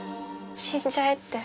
死んじゃえって。